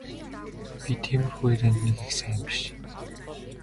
Би тиймэрхүү ярианд нэг их сайн биш.